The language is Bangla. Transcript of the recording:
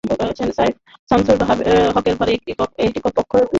শামছুল হকের ঘরের একটি কক্ষে বৈদ্যুতিক শর্টসার্কিট থেকে আগুনের সূত্রপাত হয়।